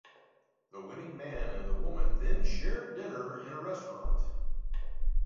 The winning man and the woman then share dinner in a restaurant.